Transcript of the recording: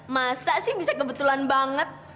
masa sih bisa kebetulan banget